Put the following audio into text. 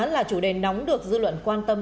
là chủ đề nóng được dư luận quan tâm